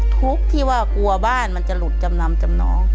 ทุกข์ที่ว่ากลัวบ้านมันจะหลุดจำนำจำนอง